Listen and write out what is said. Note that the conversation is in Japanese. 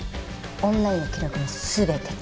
オンラインの記録も全てきれいに。